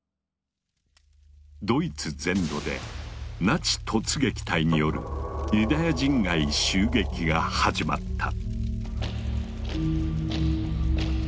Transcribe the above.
ドイツ全土でナチ突撃隊によるユダヤ人街襲撃が始まった。